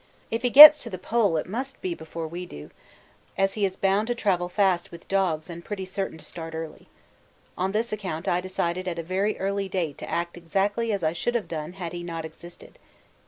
If he gets to the Pole, it must be before we do, as he is bound to travel fast with dogs and pretty certain to start early. On this account I decided at a very early date to act exactly as I should have done had he not existed.